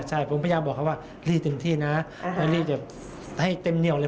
ใช่ผมพยายามบอกเขาว่ารีบเต็มที่นะให้รีบแบบให้เต็มเหนียวเลย